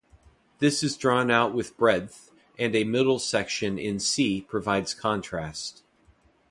This is drawn out with breadth, and a middle section in C provides contrast.